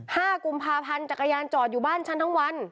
ห้ากุมภาพันธ์จักรยานจอดอยู่บ้านฉันทั้งวัน